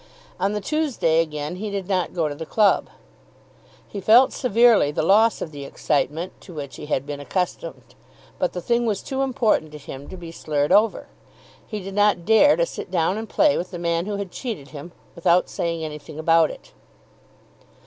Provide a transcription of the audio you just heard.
On the Tuesday again he did not go to the club. He felt severely the loss of the excitement to which he had been accustomed, but the thing was too important to him to be slurred over. He did not dare to sit down and play with the man who had cheated him without saying anything about it.